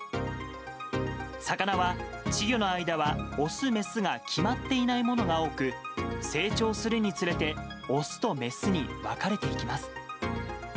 魚は稚魚の間はオス、メスが決まっていないものが多く、成長するにつれて、オスとメスに分かれていきます。